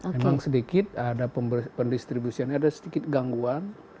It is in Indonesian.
memang sedikit ada pendistribusiannya ada sedikit gangguan